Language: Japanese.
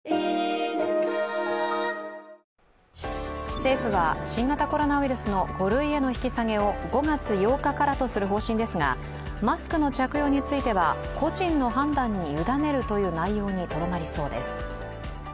政府は新型コロナウイルスの５類への引き下げを５月８日からとする方針ですが、マスクの着用については個人の判断に委ねるという内容にとどまりそうです。